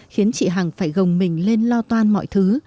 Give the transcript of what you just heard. khiến chị hằng phải gồng mình lên lo toan mọi thứ